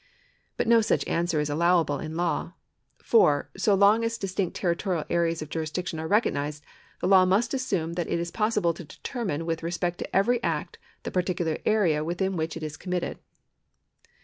But no such answer is allowable in law ; for, so long as dis tinct territorial areas of jurisdiction are recognised, the law must assume that it is possible to determine with respect to every act the particular area within which it is committed.